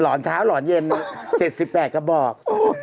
หล่อนเช้าหล่อนเย็นเศษ๑๘ก็บอก